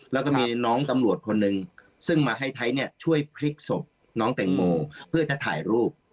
แล้วก็มีน้องตำรวจคนหนึ่งช่วยพลิกสมน้องแตงโมเพื่อจะถ่ายรูป